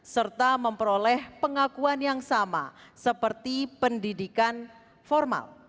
serta memperoleh pengakuan yang sama seperti pendidikan formal